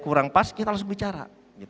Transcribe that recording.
kurang pas kita harus berbicara